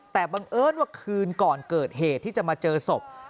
แต่บังเอิญว่าคืนก่อนเกิดเหตุที่จะมาเจอศพ